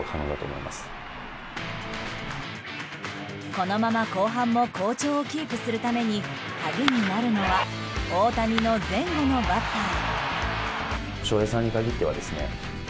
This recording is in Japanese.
このまま後半も好調をキープするために鍵になるのは大谷の前後のバッター。